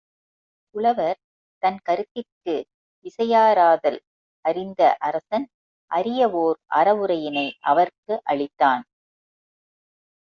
புலவர், தன் கருத்திற்கு இசையாராதல் அறிந்த அரசன், அரிய ஒர் அறவுரையினை அவர்க்கு அளித்தான்.